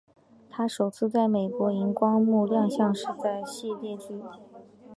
她首次在美国萤光幕亮相是在的系列剧。